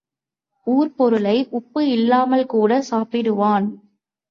ஊர்ப் பொருளை உப்பு இல்லாமல் கூடச் சாப்பிடுவான்.